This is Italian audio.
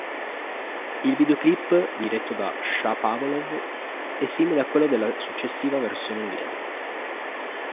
Il videoclip, diretto da Shapovalov, è simile a quello della successiva versione inglese.